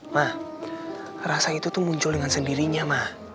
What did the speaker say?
ma rasa itu tuh muncul dengan sendirinya ma